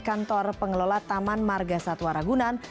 kantor pengelola taman marga satwa ragunan